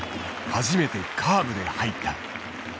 初めてカーブで入った。